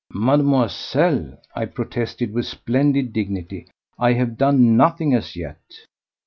"Mademoiselle," I protested with splendid dignity, "I have done nothing as yet."